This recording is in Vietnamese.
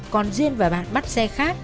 còn duyên và bạn bắt xe khác